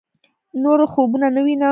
نور خوبونه نه وينم